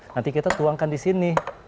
nanti kita tuangkan disini